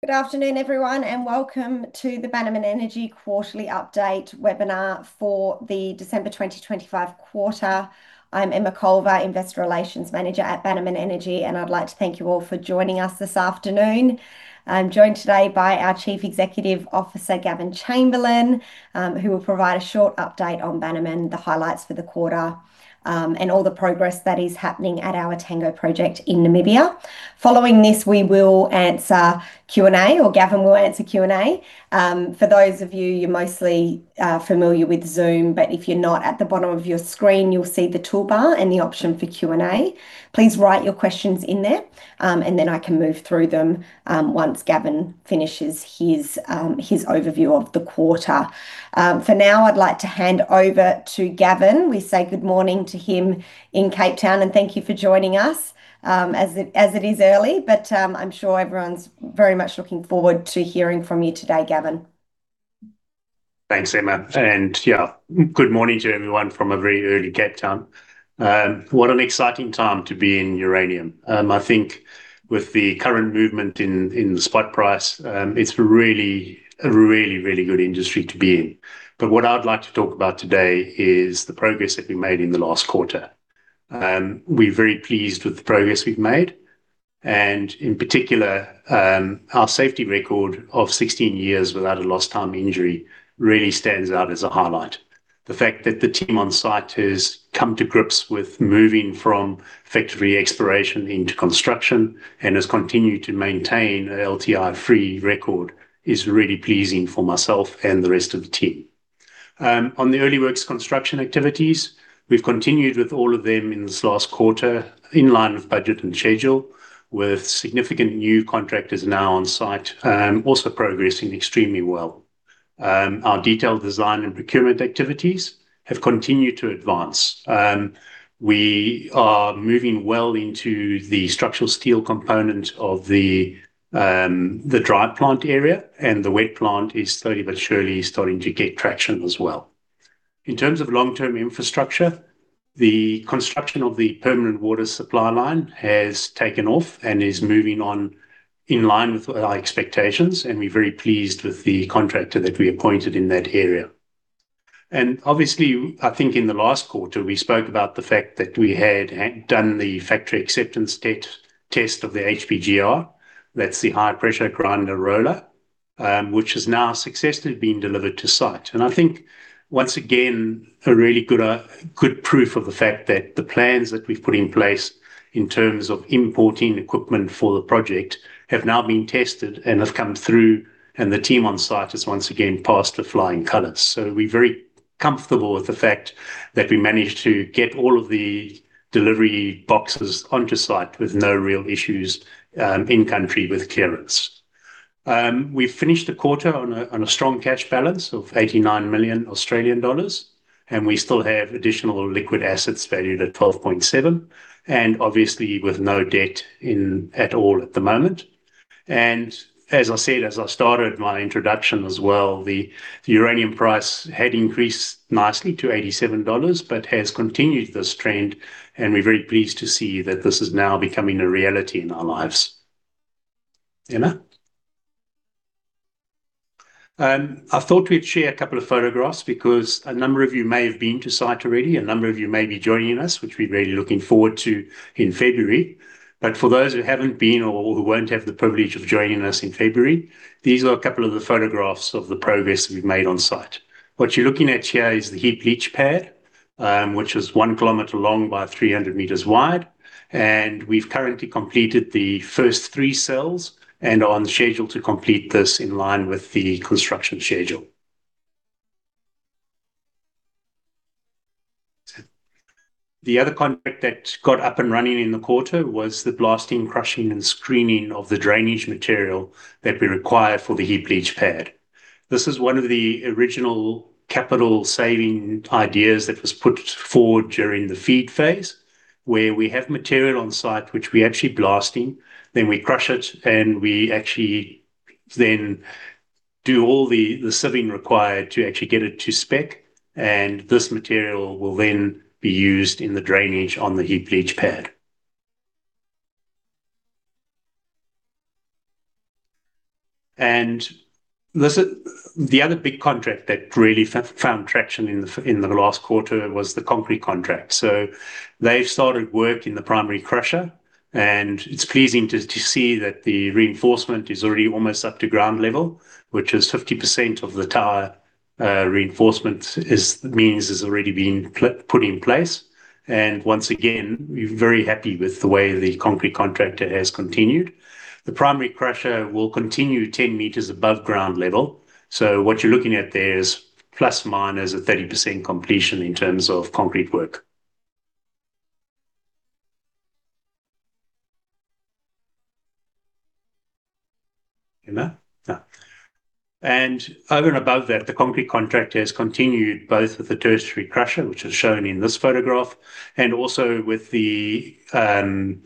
Good afternoon, everyone, and welcome to the Bannerman Energy Quarterly Update webinar for the December 2025 quarter. I'm Emma Culver, Investor Relations Manager at Bannerman Energy, and I'd like to thank you all for joining us this afternoon. I'm joined today by our Chief Executive Officer, Gavin Chamberlain, who will provide a short update on Bannerman, the highlights for the quarter, and all the progress that is happening at our Etango project in Namibia. Following this, we will answer Q&A, or Gavin will answer Q&A. For those of you, you're mostly familiar with Zoom, but if you're not, at the bottom of your screen, you'll see the toolbar and the option for Q&A. Please write your questions in there, and then I can move through them once Gavin finishes his overview of the quarter. For now, I'd like to hand over to Gavin. We say good morning to him in Cape Town, and thank you for joining us as it is early, but I'm sure everyone's very much looking forward to hearing from you today, Gavin. Thanks, Emma. And yeah, good morning to everyone from a very early Cape Town. What an exciting time to be in uranium. I think with the current movement in the spot price, it's a really, really, really good industry to be in. But what I'd like to talk about today is the progress that we made in the last quarter. We're very pleased with the progress we've made, and in particular, our safety record of 16 years without a lost-time injury really stands out as a highlight. The fact that the team on site has come to grips with moving from factory exploration into construction and has continued to maintain an LTI-free record is really pleasing for myself and the rest of the team. On the early works construction activities, we've continued with all of them in this last quarter in line with budget and schedule, with significant new contractors now on site, also progressing extremely well. Our detailed design and procurement activities have continued to advance. We are moving well into the structural steel component of the dry plant area, and the wet plant is slowly but surely starting to get traction as well. In terms of long-term infrastructure, the construction of the permanent water supply line has taken off and is moving on in line with our expectations, and we're very pleased with the contractor that we appointed in that area. And obviously, I think in the last quarter, we spoke about the fact that we had done the factory acceptance test of the HPGR, that's the high-pressure grinding rolls, which has now successfully been delivered to site. I think, once again, a really good proof of the fact that the plans that we've put in place in terms of importing equipment for the project have now been tested and have come through, and the team on site has once again passed the flying colors. So we're very comfortable with the fact that we managed to get all of the delivery boxes onto site with no real issues in country with clearance. We've finished the quarter on a strong cash balance of 89 million Australian dollars, and we still have additional liquid assets valued at 12.7 million, and obviously with no debt at all at the moment. As I said, as I started my introduction as well, the uranium price had increased nicely to AUD 87, but has continued this trend, and we're very pleased to see that this is now becoming a reality in our lives. Emma? I thought we'd share a couple of photographs because a number of you may have been to site already. A number of you may be joining us, which we're really looking forward to in February. But for those who haven't been or who won't have the privilege of joining us in February, these are a couple of the photographs of the progress we've made on site. What you're looking at here is the heap leach pad, which is 1 kilometer long by 300 meters wide, and we've currently completed the first three cells and are on schedule to complete this in line with the construction schedule. The other contract that got up and running in the quarter was the blasting, crushing, and screening of the drainage material that we require for the heap leach pad. This is one of the original capital-saving ideas that was put forward during the FEED phase, where we have material on site which we actually blasting, then we crush it, and we actually then do all the sieving required to actually get it to spec, and this material will then be used in the drainage on the heap leach pad. The other big contract that really found traction in the last quarter was the concrete contract. They've started work in the primary crusher, and it's pleasing to see that the reinforcement is already almost up to ground level, which is 50% of the tower reinforcement beams has already been put in place. Once again, we're very happy with the way the concrete contractor has continued. The primary crusher will continue 10 meters above ground level. So what you're looking at there is ±30% completion in terms of concrete work. Emma? No. Over and above that, the concrete contractor has continued both with the tertiary crusher, which is shown in this photograph, and also with the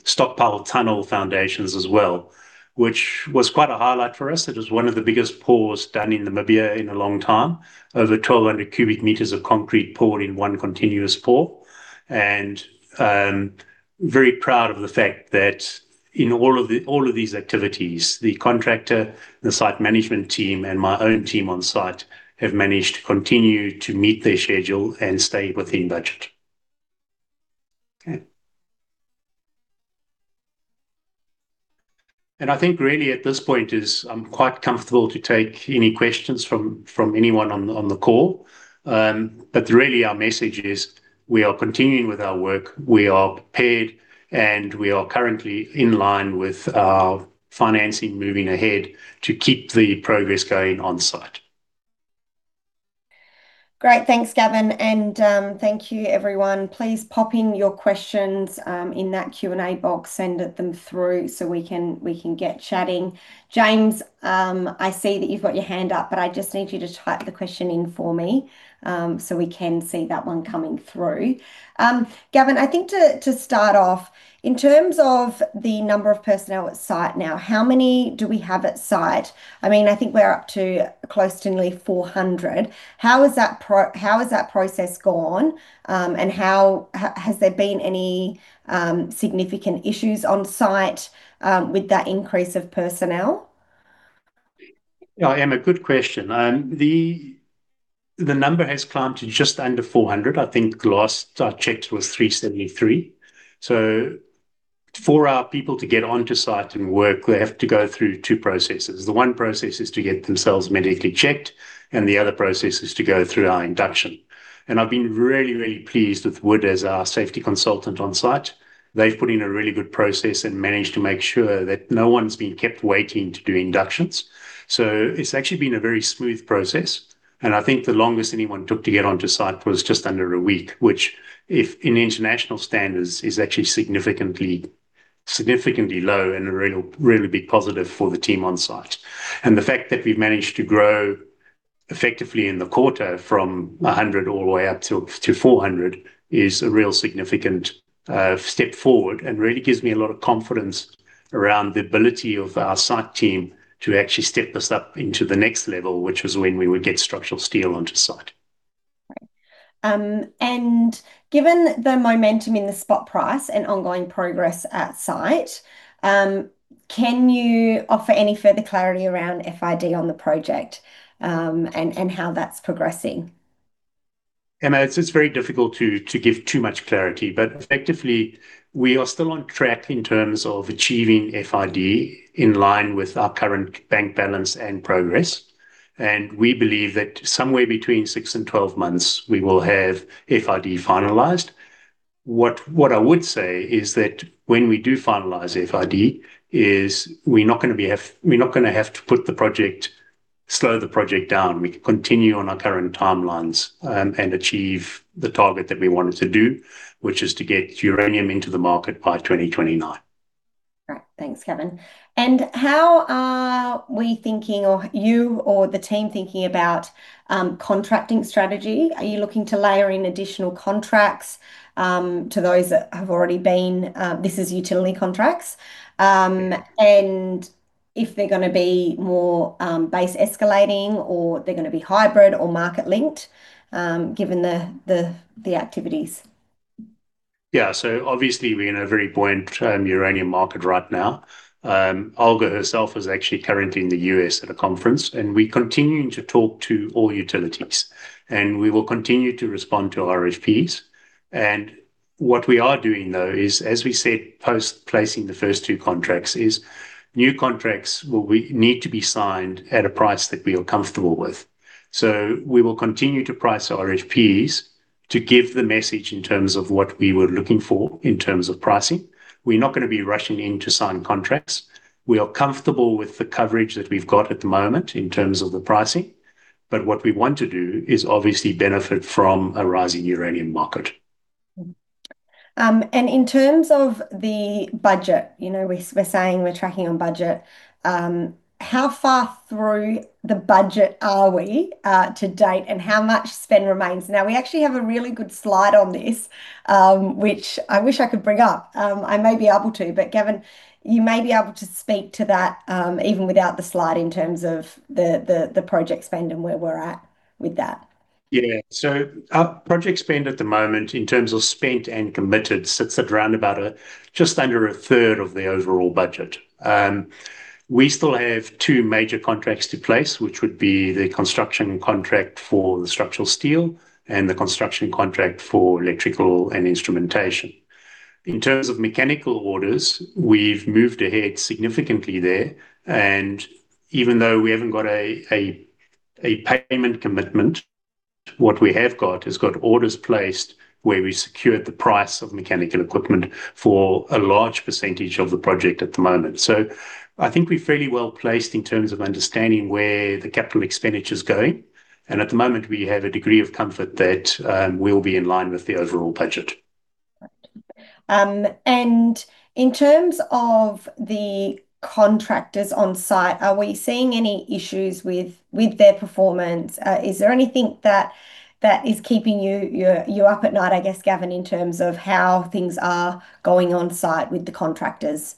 stockpile tunnel foundations as well, which was quite a highlight for us. It was one of the biggest pours done in Namibia in a long time, over 1,200 cubic meters of concrete poured in one continuous pour. Very proud of the fact that in all of these activities, the contractor, the site management team, and my own team on site have managed to continue to meet their schedule and stay within budget. Okay. I think really at this point, I'm quite comfortable to take any questions from anyone on the call. But really, our message is we are continuing with our work, we are prepared, and we are currently in line with our financing moving ahead to keep the progress going on site. Great. Thanks, Gavin. And thank you, everyone. Please pop in your questions in that Q&A box, send them through so we can get chatting. James, I see that you've got your hand up, but I just need you to type the question in for me so we can see that one coming through. Gavin, I think to start off, in terms of the number of personnel at site now, how many do we have at site? I mean, I think we're up to close to nearly 400. How has that process gone, and has there been any significant issues on site with that increase of personnel? Yeah, Emma, good question. The number has climbed to just under 400. I think the last I checked was 373. So for our people to get onto site and work, they have to go through two processes. The one process is to get themselves medically checked, and the other process is to go through our induction. And I've been really, really pleased with Wood as our safety consultant on site. They've put in a really good process and managed to make sure that no one's been kept waiting to do inductions. So it's actually been a very smooth process. And I think the longest anyone took to get onto site was just under a week, which in international standards is actually significantly low and a really big positive for the team on site. The fact that we've managed to grow effectively in the quarter from 100 all the way up to 400 is a real significant step forward and really gives me a lot of confidence around the ability of our site team to actually step us up into the next level, which was when we would get structural steel onto site. Right. And given the momentum in the spot price and ongoing progress at site, can you offer any further clarity around FID on the project and how that's progressing? Emma, it's very difficult to give too much clarity, but effectively, we are still on track in terms of achieving FID in line with our current bank balance and progress. We believe that somewhere between six and 12 months, we will have FID finalized. What I would say is that when we do finalize FID, we're not going to have to slow the project down. We can continue on our current timelines and achieve the target that we wanted to do, which is to get uranium into the market by 2029. Right. Thanks, Gavin. And how are we thinking, or you or the team thinking about contracting strategy? Are you looking to layer in additional contracts to those that have already been? This is utility contracts. And if they're going to be more base escalating or they're going to be hybrid or market-linked, given the activities? Yeah. So obviously, we're in a very buoyant uranium market right now. Olga herself is actually currently in the U.S. at a conference, and we're continuing to talk to all utilities, and we will continue to respond to RFPs. And what we are doing, though, is, as we said post-placing the first two contracts, is new contracts will need to be signed at a price that we are comfortable with. So we will continue to price RFPs to give the message in terms of what we were looking for in terms of pricing. We're not going to be rushing in to sign contracts. We are comfortable with the coverage that we've got at the moment in terms of the pricing. But what we want to do is obviously benefit from a rising uranium market. And in terms of the budget, we're saying we're tracking on budget. How far through the budget are we to date and how much spend remains? Now, we actually have a really good slide on this, which I wish I could bring up. I may be able to, but Gavin, you may be able to speak to that even without the slide in terms of the project spend and where we're at with that. Yeah. So project spend at the moment in terms of spent and committed sits at round about just under a third of the overall budget. We still have two major contracts to place, which would be the construction contract for the structural steel and the construction contract for electrical and instrumentation. In terms of mechanical orders, we've moved ahead significantly there. And even though we haven't got a payment commitment, what we have got is got orders placed where we secured the price of mechanical equipment for a large percentage of the project at the moment. So I think we're fairly well placed in terms of understanding where the capital expenditure is going. And at the moment, we have a degree of comfort that we'll be in line with the overall budget. In terms of the contractors on site, are we seeing any issues with their performance? Is there anything that is keeping you up at night, I guess, Gavin, in terms of how things are going on site with the contractors?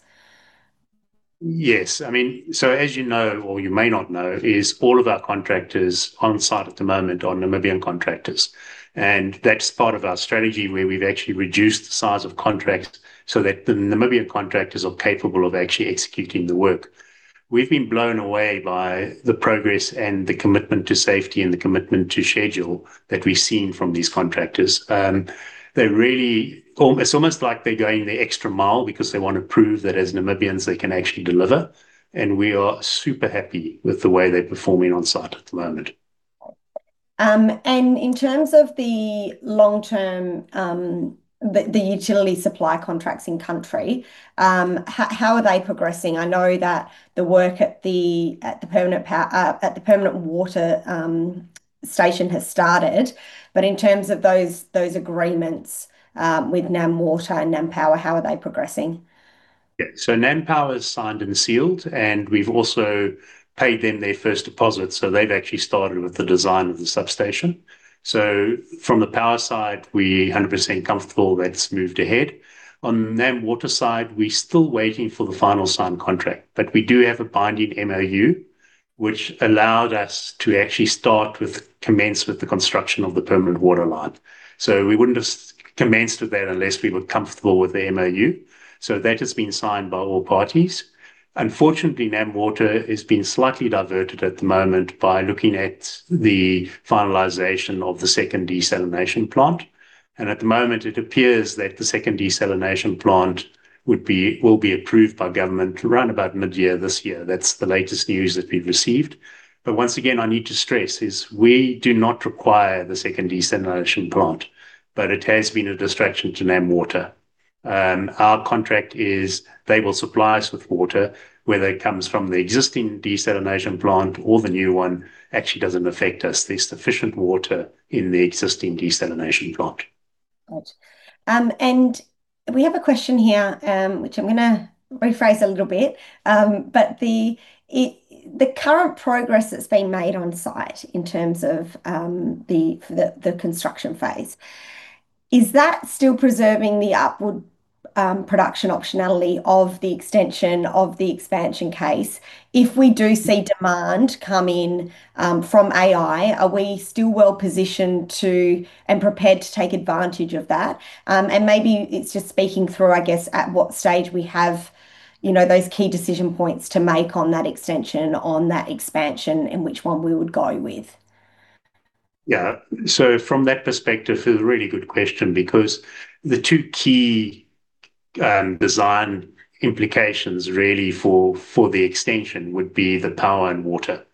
Yes. I mean, so as you know, or you may not know, is all of our contractors on site at the moment are Namibian contractors. And that's part of our strategy where we've actually reduced the size of contracts so that the Namibian contractors are capable of actually executing the work. We've been blown away by the progress and the commitment to safety and the commitment to schedule that we've seen from these contractors. It's almost like they're going the extra mile because they want to prove that as Namibians, they can actually deliver. And we are super happy with the way they're performing on site at the moment. In terms of the long-term, the utility supply contracts in country, how are they progressing? I know that the work at the permanent water station has started, but in terms of those agreements with NamWater and NamPower, how are they progressing? Yeah. So NamPower has signed and sealed, and we've also paid them their first deposit. So they've actually started with the design of the substation. So from the power side, we're 100% comfortable that it's moved ahead. On NamWater side, we're still waiting for the final signed contract. But we do have a binding MOU, which allowed us to actually commence with the construction of the permanent water line. So we wouldn't have commenced with that unless we were comfortable with the MOU. So that has been signed by all parties. Unfortunately, NamWater has been slightly diverted at the moment by looking at the finalization of the second desalination plant. And at the moment, it appears that the second desalination plant will be approved by government around about mid-year this year. That's the latest news that we've received. But once again, I need to stress is we do not require the second desalination plant, but it has been a distraction to NamWater. Our contract is they will supply us with water, whether it comes from the existing desalination plant or the new one, actually doesn't affect us. There's sufficient water in the existing desalination plant. Right. We have a question here, which I'm going to rephrase a little bit, but the current progress that's been made on site in terms of the construction phase, is that still preserving the upward production optionality of the extension of the expansion case? If we do see demand come in from AI, are we still well positioned and prepared to take advantage of that? Maybe it's just speaking through, I guess, at what stage we have those key decision points to make on that extension, on that expansion, and which one we would go with. Yeah. So from that perspective, it's a really good question because the two key design implications really for the extension would be the power and water.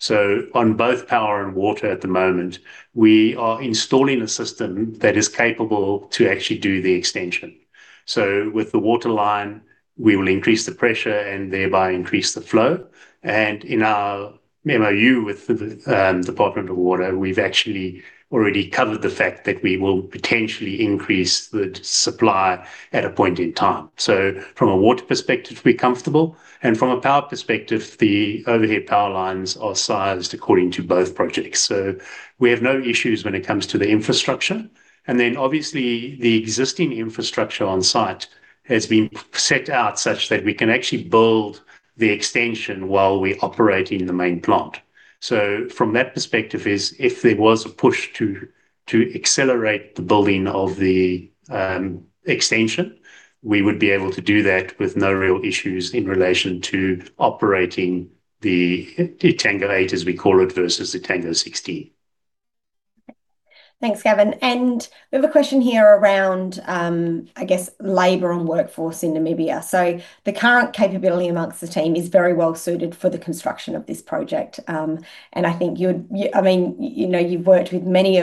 So, on both power and water at the moment, we are installing a system that is capable to actually do the extension. So, with the water line, we will increase the pressure and thereby increase the flow. And in our MOU with the Department of Water, we've actually already covered the fact that we will potentially increase the supply at a point in time. So, from a water perspective, we're comfortable. And from a power perspective, the overhead power lines are sized according to both projects. So, we have no issues when it comes to the infrastructure. And then obviously, the existing infrastructure on site has been set out such that we can actually build the extension while we operate in the main plant. From that perspective, if there was a push to accelerate the building of the extension, we would be able to do that with no real issues in relation to operating the Etango-8, as we call it, versus the Etango-16. Thanks, Gavin. And we have a question here around, I guess, labor and workforce in Namibia. So the current capability amongst the team is very well suited for the construction of this project. And I think, I mean, you've worked with many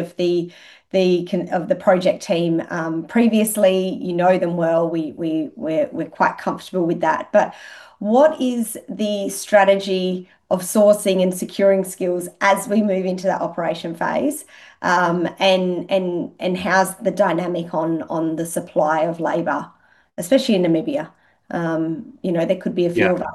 of the project team previously. You know them well. We're quite comfortable with that. But what is the strategy of sourcing and securing skills as we move into that operation phase? And how's the dynamic on the supply of labor, especially in Namibia? There could be a few of us.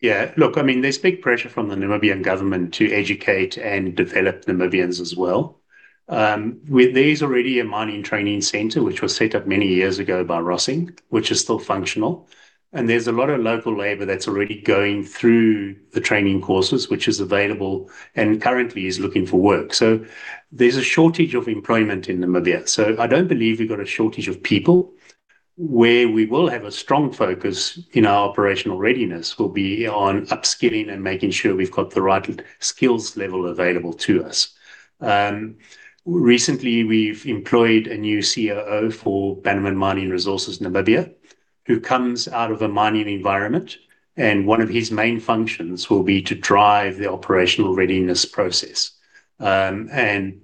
Yeah. Look, I mean, there's big pressure from the Namibian government to educate and develop Namibians as well. There is already a mining training center, which was set up many years ago by Rössing, which is still functional. And there's a lot of local labor that's already going through the training courses, which is available and currently is looking for work. So, there's a shortage of employment in Namibia. So, I don't believe we've got a shortage of people. Where we will have a strong focus in our operational readiness will be on upskilling and making sure we've got the right skills level available to us. Recently, we've employed a new COO for Bannerman Mining Resources Namibia, who comes out of a mining environment. And one of his main functions will be to drive the operational readiness process. Danie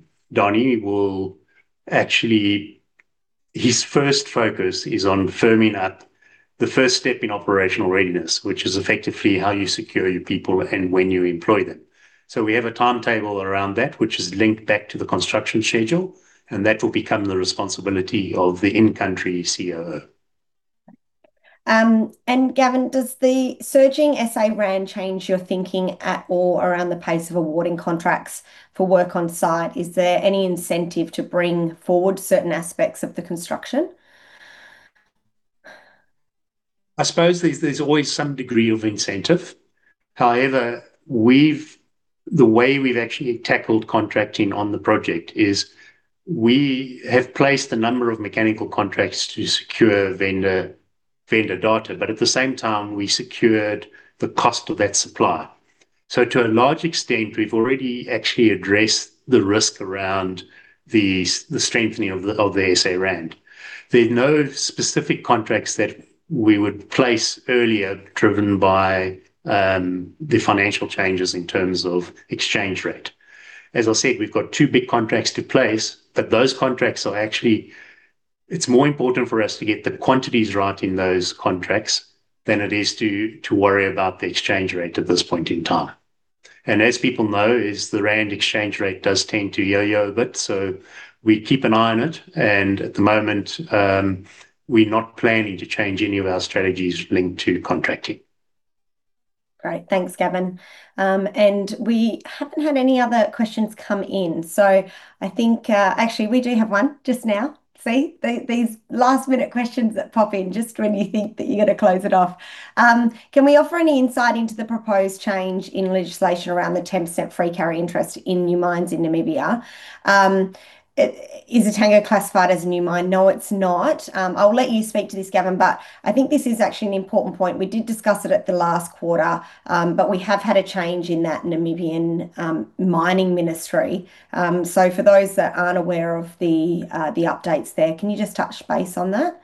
will actually, his first focus is on firming up the first step in operational readiness, which is effectively how you secure your people and when you employ them. We have a timetable around that, which is linked back to the construction schedule, and that will become the responsibility of the in-country COO. Gavin, does the surging ZAR change your thinking at all around the pace of awarding contracts for work on site? Is there any incentive to bring forward certain aspects of the construction? I suppose there's always some degree of incentive. However, the way we've actually tackled contracting on the project is we have placed a number of mechanical contracts to secure vendor data, but at the same time, we secured the cost of that supply. So to a large extent, we've already actually addressed the risk around the strengthening of the ZAR. There's no specific contracts that we would place earlier driven by the financial changes in terms of exchange rate. As I said, we've got two big contracts to place, but those contracts are actually, it's more important for us to get the quantities right in those contracts than it is to worry about the exchange rate at this point in time. And as people know, the rand exchange rate does tend to yo-yo a bit. So we keep an eye on it. At the moment, we're not planning to change any of our strategies linked to contracting. Great. Thanks, Gavin. And we haven't had any other questions come in. So I think, actually, we do have one just now. See? These last-minute questions that pop in just when you think that you're going to close it off. Can we offer any insight into the proposed change in legislation around the 10% free carry interest in new mines in Namibia? Is the Etango classified as a new mine? No, it's not. I'll let you speak to this, Gavin, but I think this is actually an important point. We did discuss it at the last quarter, but we have had a change in that Namibian Mining Ministry. So, for those that aren't aware of the updates there, can you just touch base on that?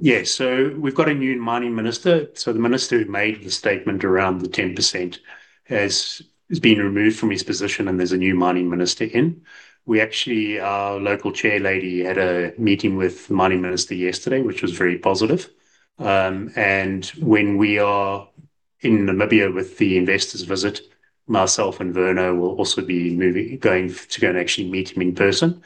Yeah. So, we've got a new mining minister. So, the minister who made the statement around the 10% has been removed from his position, and there's a new mining minister in. We actually, our local chair lady had a meeting with the mining minister yesterday, which was very positive. And when we are in Namibia with the investors' visit, myself and Werner will also be going to go and actually meet him in person.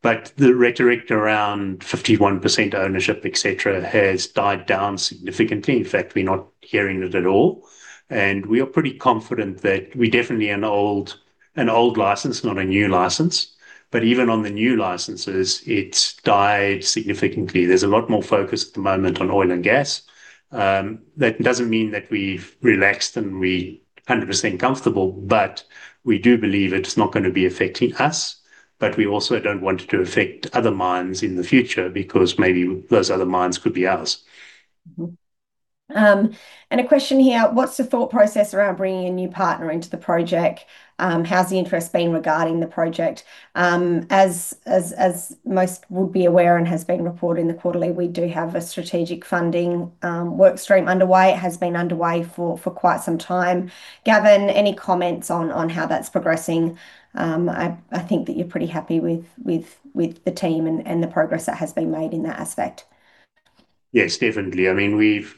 But the rhetoric around 51% ownership, etc., has died down significantly. In fact, we're not hearing it at all. And we are pretty confident that we definitely are an old license, not a new license. But even on the new licenses, it's died significantly. There's a lot more focus at the moment on oil and gas. That doesn't mean that we've relaxed and we're 100% comfortable, but we do believe it's not going to be affecting us. But we also don't want it to affect other mines in the future because maybe those other mines could be ours. A question here. What's the thought process around bringing a new partner into the project? How's the interest been regarding the project? As most would be aware and has been reported in the quarterly, we do have a strategic funding workstream underway. It has been underway for quite some time. Gavin, any comments on how that's progressing? I think that you're pretty happy with the team and the progress that has been made in that aspect. Yes, definitely. I mean, for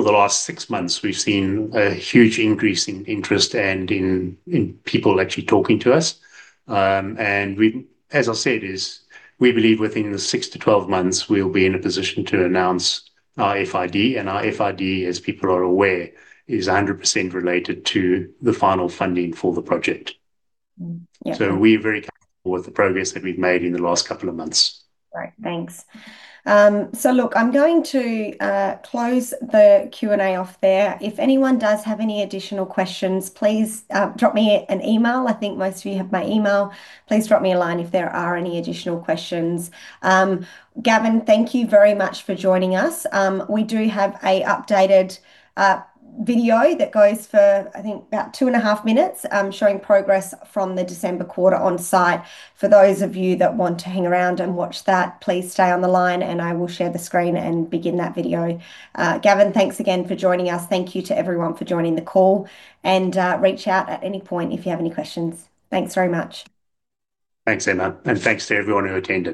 the last six months, we've seen a huge increase in interest and in people actually talking to us. And as I said, we believe within six to 12 months, we'll be in a position to announce our FID. And our FID, as people are aware, is 100% related to the final funding for the project. So we're very comfortable with the progress that we've made in the last couple of months. Right. Thanks. So look, I'm going to close the Q&A off there. If anyone does have any additional questions, please drop me an email. I think most of you have my email. Please drop me a line if there are any additional questions. Gavin, thank you very much for joining us. We do have an updated video that goes for, I think, about two and a half minutes showing progress from the December quarter on site. For those of you that want to hang around and watch that, please stay on the line, and I will share the screen and begin that video. Gavin, thanks again for joining us. Thank you to everyone for joining the call. And reach out at any point if you have any questions. Thanks very much. Thanks, Emma. Thanks to everyone who attended.